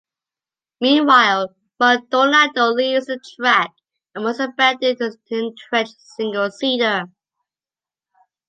Meanwhile, Maldonado leaves the track and must abandon his entrenched single seater.